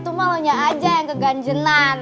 itu malunya aja yang keganjenan